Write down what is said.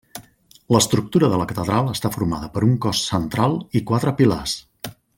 L'estructura de la catedral està formada per un cos central i quatre pilars.